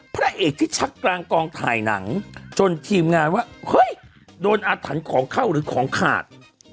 พระเอกที่ชักกลางกองถ่ายหนังจนทีมงานว่าเฮ้ยโดนอาถรรพ์ของเข้าหรือของขาด